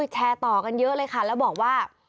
แชร์ต่อกันเยอะเลยค่ะแล้วบอกว่า